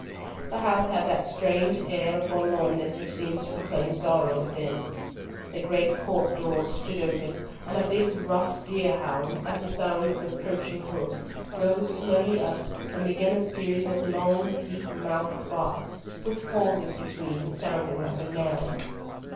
The house had that strange air of forlornness which seems to proclaim sorrow within. The great court doors stood open, and a big, rough deer hound, at the sound of the approaching hoofs, rose slowly up, and began a series of long, deep mouthed barks, with pauses between, sounding like a knell.